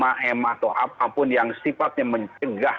atau apapun yang sifatnya mencegah